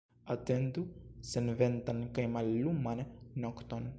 Atendu senventan kaj malluman nokton.